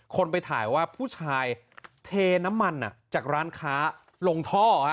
คนไปถ่ายว่าผู้ชายเทน้ำมันจากร้านค้าลงท่อ